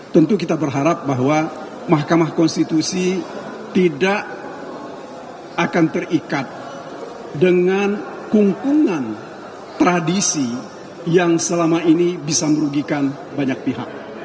tentu kita berharap bahwa mahkamah konstitusi tidak akan terikat dengan kungkungan tradisi yang selama ini bisa merugikan banyak pihak